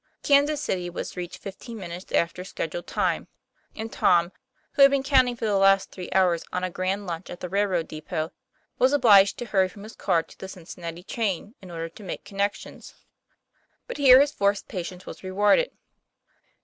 Kansas City was reached fifteen minutes after scheduled time; and Tom, who had been counting for the last three hours on a grand lunch at the rail road depot, was obliged to hurry from his car to the Cincinnati train in order to make connections. 128 TOM PLA YFA1R. But here his forced patience was rewarded.